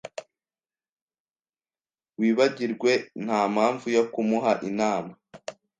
Wibagirwe. Ntampamvu yo kumuha inama.